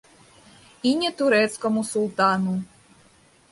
І не турэцкаму султану.